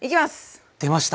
出ました！